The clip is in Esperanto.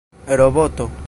roboto